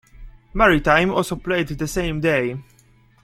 Maritime also played the same day.